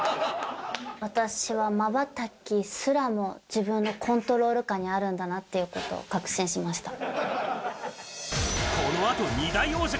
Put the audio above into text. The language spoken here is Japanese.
私はまばたきすらも自分のコントロール下にあるんだなっていうことを確信しました。